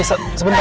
iya iya sebentar